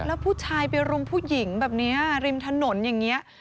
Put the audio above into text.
แล้วผู้ชายไปรุมผู้หญิงแบบนี้ริมถนนอย่างนี้